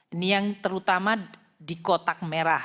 ini yang terutama di kotak merah